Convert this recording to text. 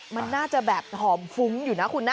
มันน่าจะแบบหอมฟุ้งอยู่นะคุณนะ